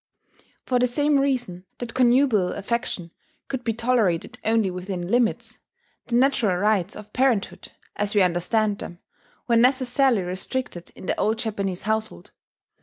For the same reason that connubial affection could be tolerated only within limits, the natural rights of parenthood (as we understand them) were necessarily restricted in the old Japanese household.